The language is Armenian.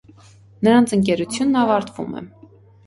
Նրանց ընկերությունն ավարտվում է։